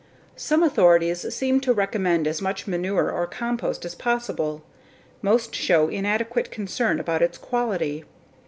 Some authorities seem to recommend as much manure or compost as possible. Most show inadequate concern about its quality.